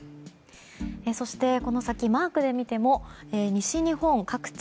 そして、この先マークで見ても西日本各地